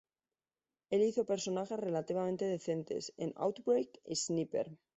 Él hizo personajes relativamente decentes en "Outbreak" y "Sniper".